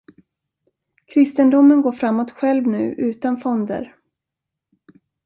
Kristendomen går framåt själv nu utan fonder.